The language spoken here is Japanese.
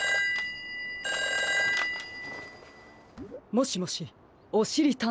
☎もしもしおしりたんてい